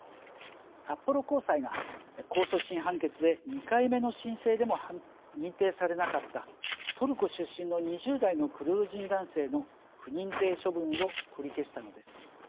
札幌高裁が控訴審判決で２回目の申請でも認定されなかったトルコ出身のクルド人男性の不認定処分を取り消したのです。